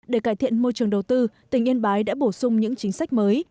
để cải thiện môi trường đầu tư tỉnh yên bái đã bổ sung những chính sách mới